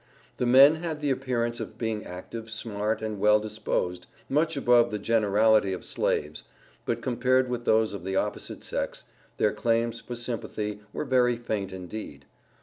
The men had the appearance of being active, smart, and well disposed, much above the generality of slaves; but, compared with those of the opposite sex, their claims for sympathy were very faint indeed.